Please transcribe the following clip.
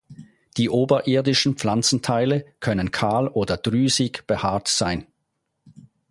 Die oberirdischen Pflanzenteile können kahl oder drüsig behaart sein.